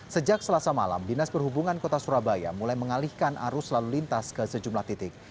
sejak selasa malam dinas perhubungan kota surabaya mulai mengalihkan arus lalu lintas ke sejumlah titik